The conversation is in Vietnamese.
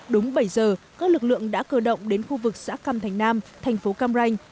đúng bảy giờ các lực lượng đã cơ động đến khu vực xã cam thành nam thành phố cam ranh